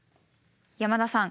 山田さん。